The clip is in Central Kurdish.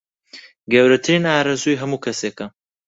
گەورەترین ئارەزووی هەموو کەسێکە